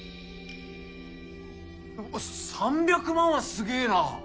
３００万はすげえな。